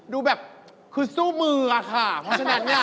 ดูแบบคือสู้มือค่ะเพราะฉะนั้น